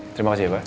terima kasih ya pak